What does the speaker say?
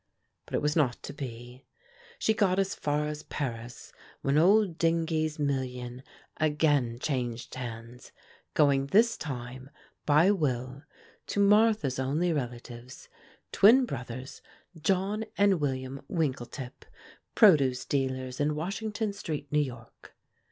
But it was not to be. She got as far as Paris when old Dingee's million again changed hands, going this time by will to Martha's only relatives, twin brothers, John and William Winkletip, produce dealers in Washington street, New York.